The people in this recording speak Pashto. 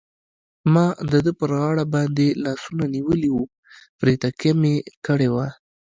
ما د ده پر غاړه باندې لاسونه نیولي وو، پرې تکیه مې کړې وه.